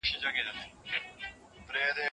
ایا مسلکي بڼوال بادام ساتي؟